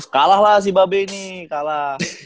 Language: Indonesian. kalah lah si babe ini kalah